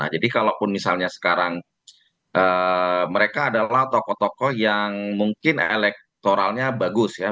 jadi kalau misalnya sekarang mereka adalah tokoh tokoh yang mungkin elektoralnya bagus ya